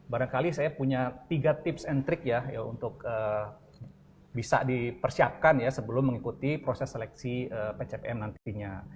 barangkali saya punya tiga tips and trick ya untuk bisa dipersiapkan ya sebelum mengikuti proses seleksi pcpm nantinya